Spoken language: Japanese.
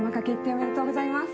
おめでとうございます。